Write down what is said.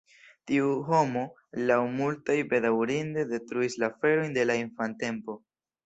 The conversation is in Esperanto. Tiu homo laŭ multaj bedaŭrinde detruis la aferojn de la infantempo.